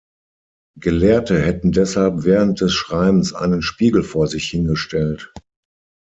Gelehrte hätten deshalb während des Schreibens einen Spiegel vor sich hingestellt.